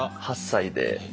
８歳で。